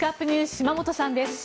島本さんです。